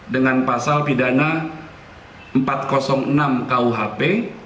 dengan pasal pidana empat ratus enam kuhp